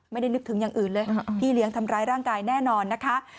นึกถึงอย่างอื่นเลยพี่เลี้ยงทำร้ายร่างกายแน่นอนนะคะ